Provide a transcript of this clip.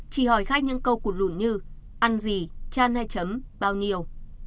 chỉ hỏi khách những câu cụt lụn như ăn gì chan hay chấm bao nhiêu